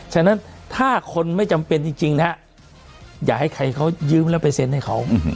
ฉะนั้นถ้าคนไม่จำเป็นจริงนะฮะอย่าให้ใครเขายืมแล้วไปเซ็นให้เขา